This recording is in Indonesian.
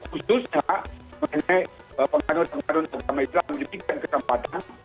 khususnya mengenai pengaruh pengaruh terutama islam yang diberikan kesempatan